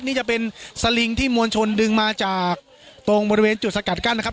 นี่จะเป็นสลิงที่มวลชนดึงมาจากตรงบริเวณจุดสกัดกั้นนะครับ